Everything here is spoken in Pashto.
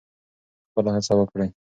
خپله هڅه وکړئ.